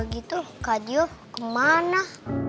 kalau gitu kak dio kemana